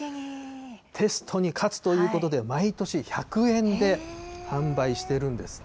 テストに勝つということで、毎年１００円で販売してるんですって。